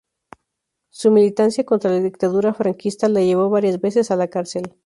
Su militancia contra la dictadura franquista le llevó varias veces a la cárcel.